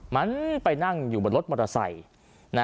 มันไปนั่งอยู่บนรถมอเตอร์ไซค์